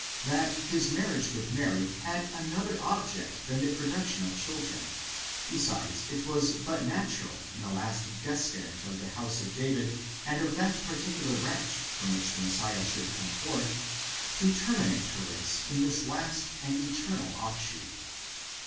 that his marriage with Mary had another object than the production of children ; besides it was but natural (?) in the last descendant of the house of David, and of that particular branch from which the Messiah should come forth, to terminate her race in this last and eternat offshoot.